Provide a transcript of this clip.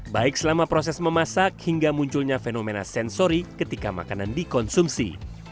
baik selama proses memasak hingga munculnya fenomena sensori ketika makanan dikonsumsi